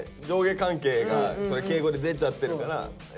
上下関係が敬語で出ちゃってるから。